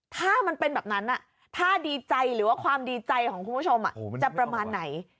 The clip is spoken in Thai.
ถ้ามันเป็นแบบนั้นถ้าดีใจหรือว่าความดีใจของคุณผู้ชมจะประมาณไหน